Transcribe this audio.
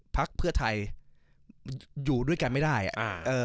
พลักษณ์เพื่อไทยอยู่ด้วยกันไม่ได้อ่าเออ